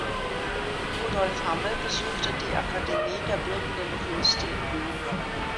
Rudolf Hammel besuchte die Akademie der Bildenden Künste in Wien.